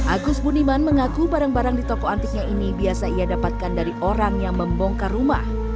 agus budiman mengaku barang barang di toko antiknya ini biasa ia dapatkan dari orang yang membongkar rumah